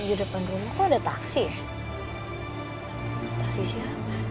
di depan rumah ada taksi ya